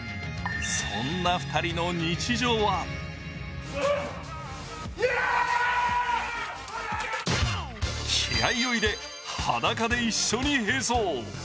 そんな２人の日常は気合いを入れ、裸で一緒に並走。